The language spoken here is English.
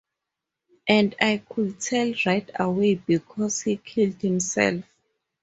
And I could tell right away because he killed himself.